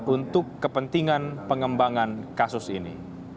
untuk kepentingan pengembangan kasus ini